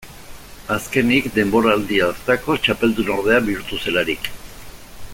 Azkenik, denboraldi hartako txapeldunordea bihurtu zelarik.